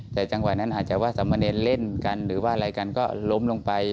แต่จังหวะนั้นอาจจะว่าสามเณรเล่นกันหรือว่าอะไรกันก็ล้มลงไป